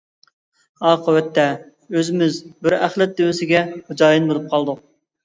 ئاقىۋەتتە، ئۆزىمىز بىر ئەخلەت دۆۋىسىگە خوجايىن بولۇپ قالدۇق.